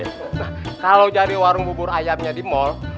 nah kalau cari warung bubur ayamnya di mal